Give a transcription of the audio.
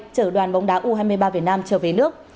chở đoàn bóng đá u hai mươi ba việt nam trở về nước